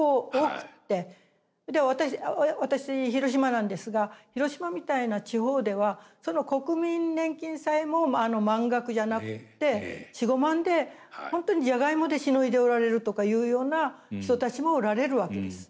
で私広島なんですが広島みたいな地方ではその国民年金さえも満額じゃなくって４５万で本当にジャガイモでしのいでおられるとかいうような人たちもおられるわけです。